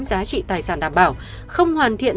giá trị tài sản đảm bảo không hoàn thiện